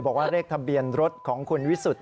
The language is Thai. บอกว่าเลขทะเบียนรถของคุณวิสุทธิ์